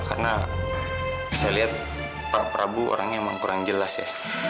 karena saya lihat para prabu emang kurang jelas ya